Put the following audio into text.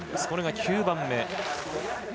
これが９番目。